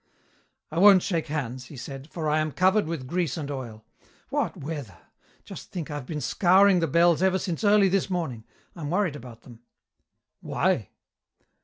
"I won't shake hands," he said, "for I am covered with grease and oil. What weather! Just think, I've been scouring the bells ever since early this morning. I'm worried about them." "Why?"